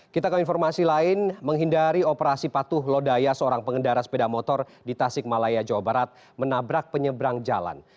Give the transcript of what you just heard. kita ke informasi lain menghindari operasi patuh lodaya seorang pengendara sepeda motor di tasik malaya jawa barat menabrak penyeberang jalan